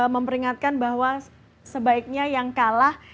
memperingatkan bahwa sebaiknya yang kalah